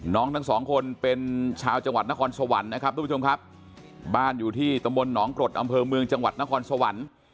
ทั้งสองคนเป็นชาวจังหวัดนครสวรรค์นะครับทุกผู้ชมครับบ้านอยู่ที่ตำบลหนองกรดอำเภอเมืองจังหวัดนครสวรรค์